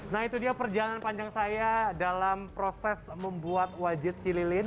nah itu dia perjalanan panjang saya dalam proses membuat wajit cililin